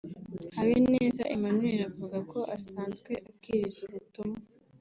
Habineza Emmanuel avuga ko asanzwe abwiriza ubutumwa